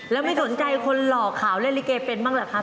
แล้วไม่สนใจคนหล่อขาวเล่นลิเกเป็นบ้างเหรอครับ